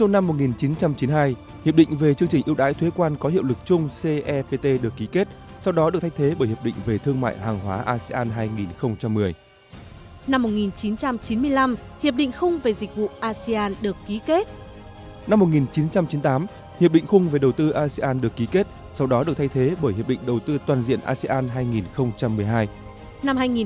năm một nghìn chín trăm chín mươi tám hiệp định khung về đầu tư asean được ký kết sau đó được thay thế bởi hiệp định đầu tư toàn diện asean hai nghìn một mươi hai